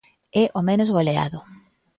É o menos goleado.